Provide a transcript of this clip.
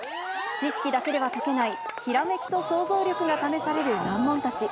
知識だけでは解けないひらめきと想像力が試される難問たち。